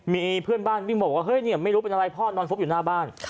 มีเพื่อนบ้านวิ่งบอกว่าเฮ้ยเนี่ยไม่รู้เป็นอะไรพ่อนอนฟบอยู่หน้าบ้าน